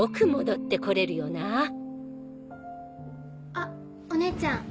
あっお姉ちゃん。